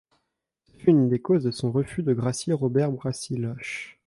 Ce fut une des causes de son refus de gracier Robert Brasillach.